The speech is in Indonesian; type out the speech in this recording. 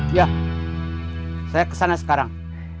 iya saya kesana sekarang